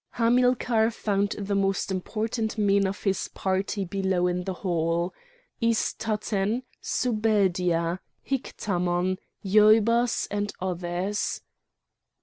Hamilcar found the most important men of his party below in the hall: Istatten, Subeldia, Hictamon, Yeoubas and others.